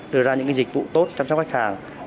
đưa ra những dịch vụ tốt chăm sóc khách hàng